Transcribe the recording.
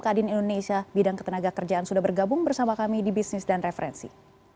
kadin indonesia bidang ketenaga kerjaan sudah bergabung bersama kami di bisnis dan referensi